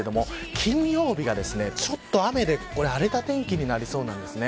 金曜日が、ちょっと雨で荒れた天気になりそうです。